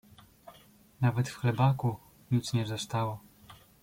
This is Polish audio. Nawet w chlebaku nic nie zostało.